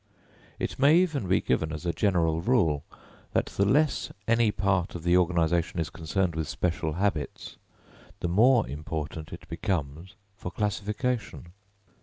It may even be given as a general rule, that the less any part of the organisation is concerned with special habits, the more important it becomes for classification.